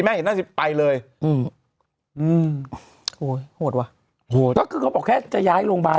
เห็นน่าจะไปเลยอืมอืมโหดว่ะโหดก็คือเขาบอกแค่จะย้ายโรงพยาบาล